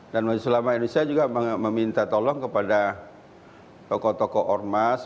dan maju selamat indonesia juga meminta tolong kepada tokoh tokoh ormas